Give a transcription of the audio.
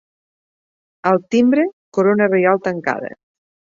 Al timbre, corona reial tancada.